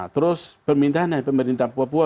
terus permintaan dari pemerintah papua